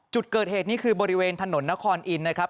จุดเกิดเหตุนี่คือบริเวณถนนนครอินทร์นะครับ